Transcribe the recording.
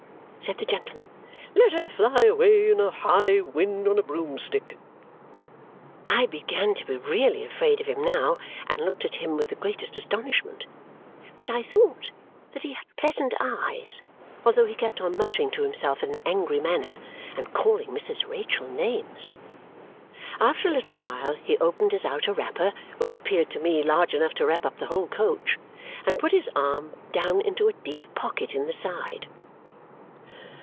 said the gentleman. "Let her fly away in a high wind on a broomstick!" I began to be really afraid of him now and looked at him with the greatest astonishment. But I thought that he had pleasant eyes, although he kept on muttering to himself in an angry manner and calling Mrs. Rachael names. After a little while he opened his outer wrapper, which appeared to me large enough to wrap up the whole coach, and put his arm down into a deep pocket in the side.